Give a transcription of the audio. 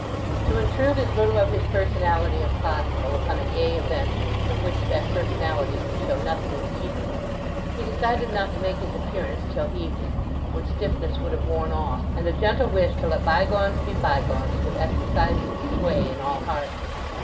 To intrude as little of his personality as possible upon a gay event with which that personality could show nothing in keeping, he decided not to make his appearance till evening—when stiffness would have worn off, and a gentle wish to let bygones be bygones would exercise its sway in all hearts.